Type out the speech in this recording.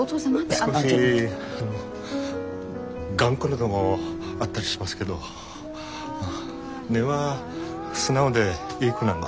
少し頑固なとごあったりしますけど根は素直でいい子なんで。